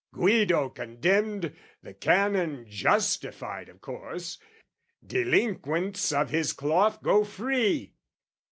"'Guido condemned, the Canon justified "'Of course, delinquents of his cloth go free!'